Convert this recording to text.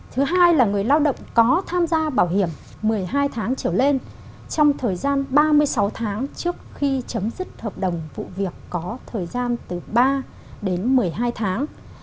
thứ hai là người lao động có tham gia bảo hiểm một mươi hai tháng trở lên trong thời gian ba mươi sáu tháng trước khi chấm dứt hợp đồng vụ việc có thời gian từ ba đến một mươi hai tháng